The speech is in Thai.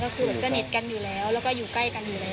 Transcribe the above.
ก็คือสนิทกันอยู่แล้วแล้วก็อยู่ใกล้กันอยู่แล้ว